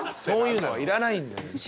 そういうのは要らないんだよ！